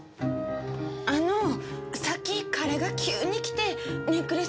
あのさっき彼が急に来てネックレス